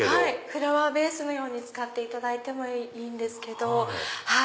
フラワーベースのように使っていただいてもいいですけど。